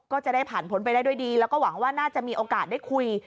ก็จะได้ผ่านพ้นไปได้ด้วยดีแล้วก็หวังว่าน่าจะมีโอกาสได้คุย